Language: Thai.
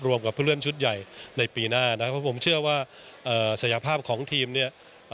กับผู้เล่นชุดใหญ่ในปีหน้านะเพราะผมเชื่อว่าศักยภาพของทีมเนี่ย